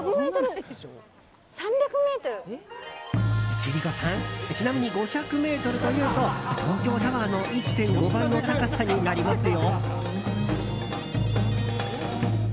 千里子さんちなみに５００ｍというと東京タワーの１．５倍の高さになりますよ。